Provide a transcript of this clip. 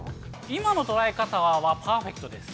今のとらえ方はパーフェクトです